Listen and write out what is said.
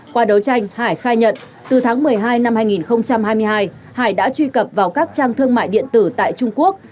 qua đấu tranh hải khai nhận từ tháng một mươi hai năm hai nghìn hai mươi hai hải đã truy cập vào các trang thương mại điện tử tại trung quốc